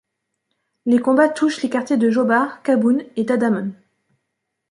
Les combats touchent les quartiers de Jobar, Qaboun et Tadamon.